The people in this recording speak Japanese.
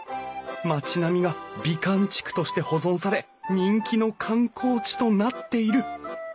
町並みが美観地区として保存され人気の観光地となっているワオ。